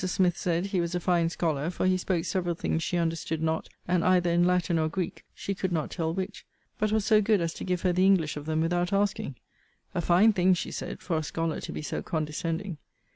Smith said, he was a fine scholar; for he spoke several things she understood not; and either in Latin or Greek, she could not tell which; but was so good as to give her the English of them without asking. A fine thing, she said, for a scholar to be so condescending!'